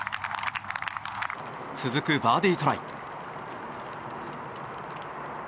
続くバーディートライ。